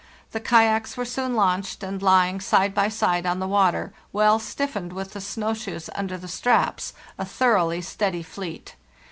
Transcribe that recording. The kayaks were soon launched and lying side by side on the water, well stiffened, with the snow shoes under the straps,* a thoroughly steady fleet.